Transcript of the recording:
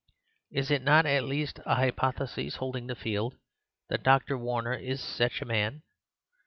Is it not at least a hypothesis holding the field that Dr. Warner is such a man?